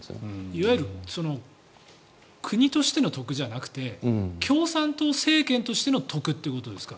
いわゆる国としての得じゃなくて共産党政権としての得ということですか。